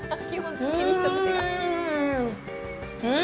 うん。